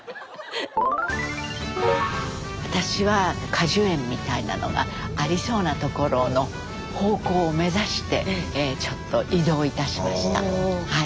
私は果樹園みたいなのがありそうなところの方向を目指してちょっと移動いたしましたはい。